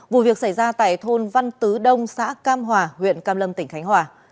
vụ việc xảy ra tại thôn văn tứ đông xã cam hòa huyện cam lâm tỉnh khánh hòa